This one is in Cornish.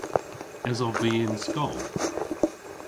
Esov vy y'n skol?